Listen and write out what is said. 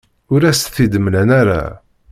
Ur as-t-id-mlan ara.